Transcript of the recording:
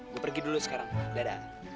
gua pergi dulu sekarang dadah